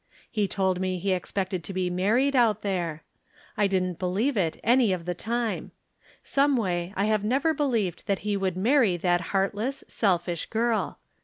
He told me he expected to be married out there. I didn't believe it any of the time. Someway I have never believed that he would marrv that ■t heartless, selfish girl.